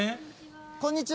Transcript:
こんにちは。